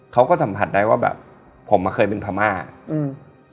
เขาก็สัมผัสได้ว่าแบบผมอ่ะเคยเป็นพม่าอืม